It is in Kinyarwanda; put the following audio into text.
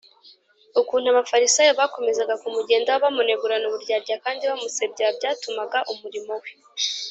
ukuntu abafarisayo bakomezaga kumugendaho bamunegurana uburyarya kandi bamusebya byatumaga umurimo we